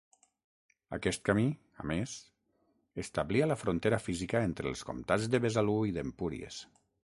Aquest camí, a més, establia la frontera física entre els comtats de Besalú i d'Empúries.